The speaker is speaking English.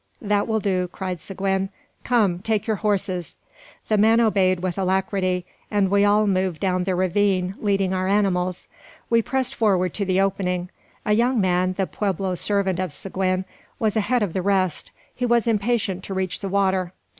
"That will do," cried Seguin; "come, take your horses!" The men obeyed with alacrity, and we all moved down the ravine, leading our animals. We pressed forward to the opening. A young man, the pueblo servant of Seguin, was ahead of the rest. He was impatient to reach the water.